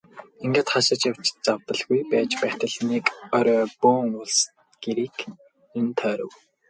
Ингээд хаашаа ч явж завдалгүй байж байтал нэг орой бөөн улс гэрийг нь тойров.